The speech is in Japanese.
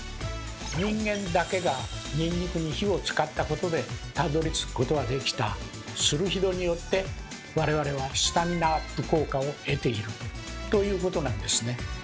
人間だけがニンニクに火を使ったことでたどりつくことができたスルフィドによって我々はスタミナアップ効果を得ているということなんですね。